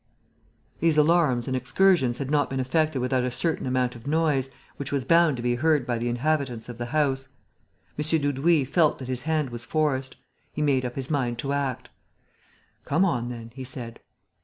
These alarums and excursions had not been effected without a certain amount of noise, which was bound to be heard by the inhabitants of the house. M. Dudouis felt that his hand was forced. He made up his mind to act: "Come on, then," he said.